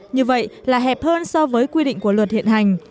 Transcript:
như vậy là hẹp hơn so với quy định của luật hiện hành